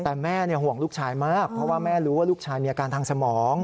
แต่แม่ห่วงลูกชายมากเพราะว่าแม่รู้ว่าลูกชายมีอาการทางสมอง